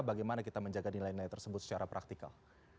bagaimana kita menjaga nilai nilai tersebut secara praktikal